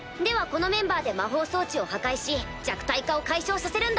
このメンバーで魔法装置を破壊し弱体化を解消させるんだ。